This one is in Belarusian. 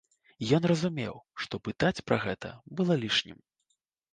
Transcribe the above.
Ён разумеў, што пытаць пра гэта было лішнім.